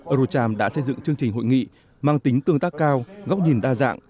eurocharm đã xây dựng chương trình hội nghị mang tính tương tác cao góc nhìn đa dạng